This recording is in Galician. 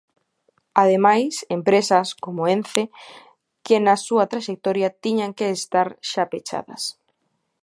Ademais, empresas, como Ence, que na súa traxectoria tiñan que estar xa pechadas.